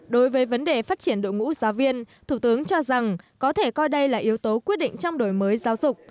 đối với vấn đề phát triển đội ngũ giáo viên thủ tướng cho rằng có thể coi đây là yếu tố quyết định trong đổi mới giáo dục